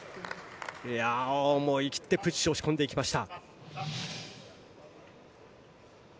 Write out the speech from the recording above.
思い切ってプッシュ押し込んでいきました。